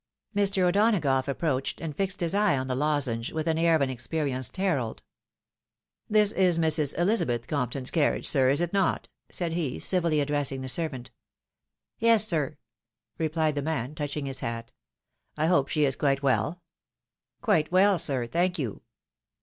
Mr. O'Donagough approached and fixed his eye on the lozenge with an air of an experienced herald. "This is Mrs. Elizabeth's Compton's carriage, sir, is it not ?" said he, civilly addressing the servant. " Yes, sir," replied the man, touching his hat. " I hope she is quite well ?"" Quite well, sir, thank you.''